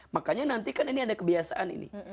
makanya nanti kan ini ada kebiasaan ini